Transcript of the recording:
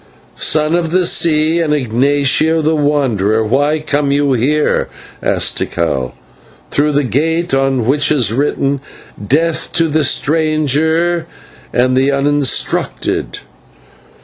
"Son of the Sea, and Ignatio the Wanderer, why come you here," asked Tikal, "through the gate on which is written 'Death to the Stranger and to the Uninstructed.'"